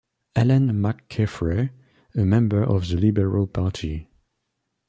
Helen McCaffrey, a member of the Liberal Party.